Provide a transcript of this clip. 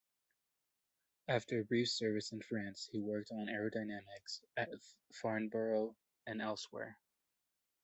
After brief service in France, he worked on aerodynamics at Farnborough and elsewhere.